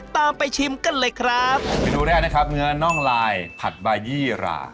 ตามไปชิมกันเลยครับเมนูแรกนะครับเนื้อน่องลายผัดบายี่รา